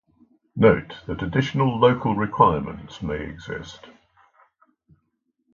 Note that additional local requirements may exist.